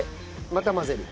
また混ぜる。